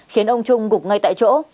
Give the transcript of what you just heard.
khiến ông trung gục ngay tại chỗ